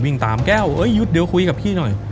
วิ่งตามแก้วเอ้ยหยุดเดี๋ยวคุยกับพี่หน่อย